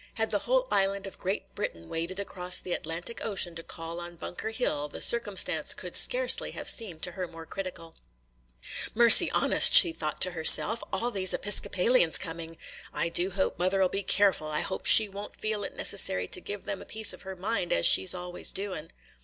Had the whole island of Great Britain waded across the Atlantic Ocean to call on Bunker Hill, the circumstance could scarcely have seemed to her more critical. "Mercy on us!" she thought to herself, "all these Episcopalians coming! I do hope mother 'll be careful; I hope she won't feel it necessary to give them a piece of her mind, as she 's always doing."